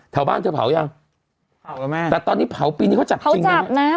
แถวบ้านเจอเผาหรือยังเผากันไหมแต่ตอนนี้เผาปีนี้เขาจับจริงไหม